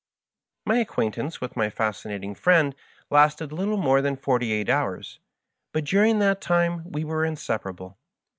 My acquaintance with my Fascinating Friend lasted little more than forty eight hours, but during that time we were inseparable.